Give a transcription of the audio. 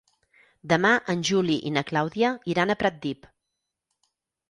Demà en Juli i na Clàudia iran a Pratdip.